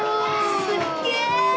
すっげえ！